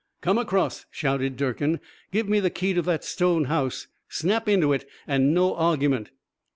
"Come across," shouted Durkin. "Give me the key to that stone house. Snap into it, and no argument."